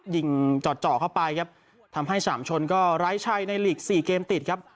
ยิงจอดเจาะเข้าไปครับทำให้สามชนก็ไร้ชัยในหลีกสี่เกมติดครับ